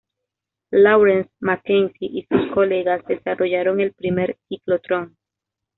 Lawrence, MacKenzie, y sus colegas desarrollaron el primer ciclotrón.